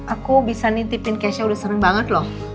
aku bisa nitipin keisha udah sering banget loh